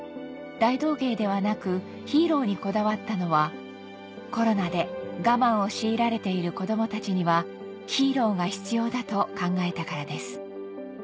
大道芸ではなくヒーローにこだわったのはコロナで我慢を強いられている子供たちにはヒーローが必要だと考えたからです